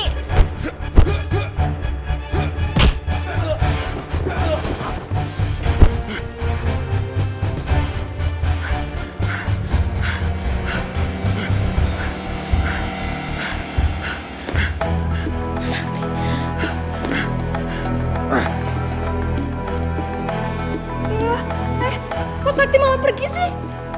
eh kok sakti mau pergi sih